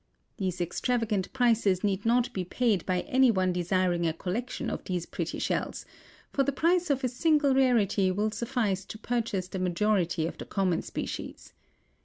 These extravagant prices need not be paid by any one desiring a collection of these pretty shells, for the price of a single rarity will suffice to purchase the majority of the common species.